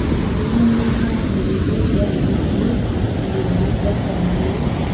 ngwino! ni nko mu bihe byashize, ibirori byatangiye